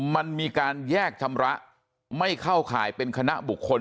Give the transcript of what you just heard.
มันมีการแยกชำระไม่เข้าข่ายเป็นคณะบุคคล